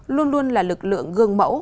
luôn luôn là lực lượng gương mẫu